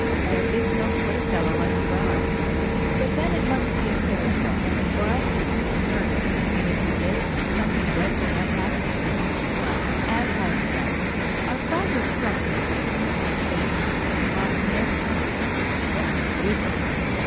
There is no play fellow like a frog; but then it must be a fairy frog, or else you might hurt it, and if you did something dreadful might happen to you. Well, as I have said, our frog was struck with the queen's sad face, and lost no time in asking her what was the reason.